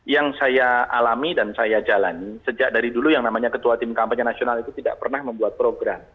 yang saya alami dan saya jalani sejak dari dulu yang namanya ketua tim kampanye nasional itu tidak pernah membuat program